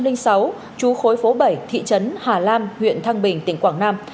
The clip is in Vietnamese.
đối tượng là nguyễn trung tạ bảo duy sinh năm hai nghìn sáu trú khối phố bảy thị trấn hà lam huyện thăng bình tỉnh quảng nam